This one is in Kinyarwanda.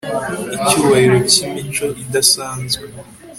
Icyubahiro cyimico idasanzwe